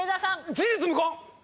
事実無根！